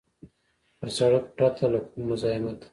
پر سړک پرته له کوم مزاحمته.